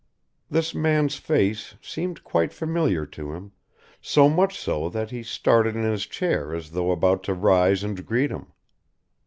This man's face seemed quite familiar to him, so much so that he started in his chair as though about to rise and greet him.